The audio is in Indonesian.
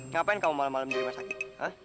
kapan kamu malam malam di rumah sakit